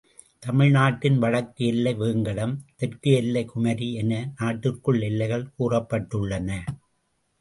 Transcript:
தமிழ் நாட்டின் வடக்கு எல்லை வேங்கடம் தெற்கு எல்லை குமரி என நாட்டிற்கு எல்லைகள் கூறப்பட்டுள்ளன.